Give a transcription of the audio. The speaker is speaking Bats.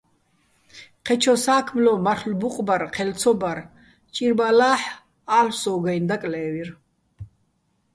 ჴეჩო სა́ქმლო მარლ'ო ბუყბარ ჴელ ცო ბარ, ჭირბალა́ჰ̦ ა́ლ'ო̆ სო́გო̆-აჲნო̆, დაკლე́ვირ.